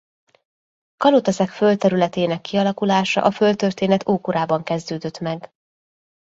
Kalotaszeg földterületének kialakulása a földtörténet ókorában kezdődött meg.